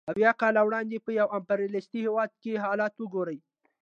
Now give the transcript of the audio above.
اویای کاله وړاندې په یو امپریالیستي هېواد کې حالت وګورئ